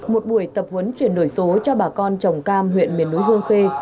một buổi tập huấn chuyển đổi số cho bà con chồng cam huyện miền núi hương